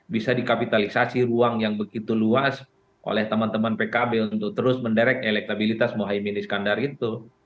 bisa dikapitalisasi ruang yang begitu luas oleh teman teman pkb untuk terus menderek elektabilitas mohaimin iskandar itu